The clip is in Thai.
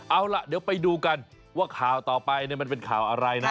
เอาล่ะเดี๋ยวไปดูกันว่าข่าวต่อไปมันเป็นข่าวอะไรนะ